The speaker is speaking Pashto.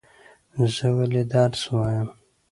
زه ولی درس وایم؟